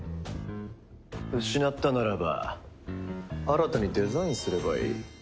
失ったならば新たにデザインすればいい。